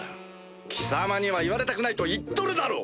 貴様には言われたくないと言っとるだろう！